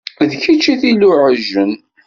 D kečč i t-iluɛjen.